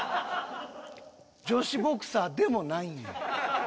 女子ボクサーでもないんよ。